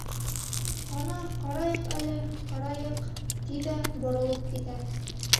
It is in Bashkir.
Ҡана, ҡарайыҡ әле, ҡарайыҡ... — ти ҙә боролоп китә.